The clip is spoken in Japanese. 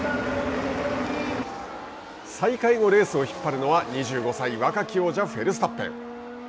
再開後レースを引っ張るのは２５歳若き王者フェルスタッペン。